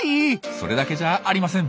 それだけじゃありません。